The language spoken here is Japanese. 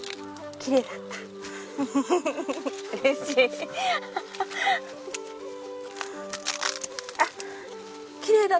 あっきれいだった。